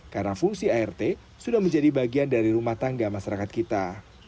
karena fungsi art sudah menjadi bagian dari rumah tangga masyarakat kita